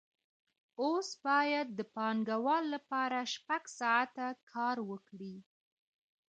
اوس باید د پانګوال لپاره شپږ ساعته کار وکړي